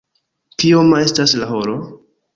Kioma estas la horo?